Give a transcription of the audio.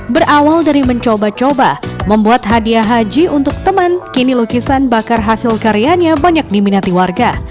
berawal dari mencoba coba membuat hadiah haji untuk teman kini lukisan bakar hasil karyanya banyak diminati warga